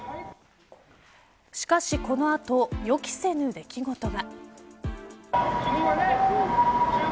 しかし、この後予期せぬ出来事が。